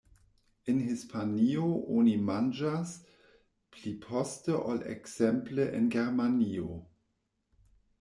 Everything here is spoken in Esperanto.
En Hispanio oni manĝas pli poste ol ekzemple en Germanio.